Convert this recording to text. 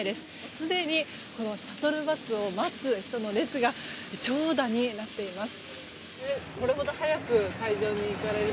すでにシャトルバスを待つ人の列が長打になっています。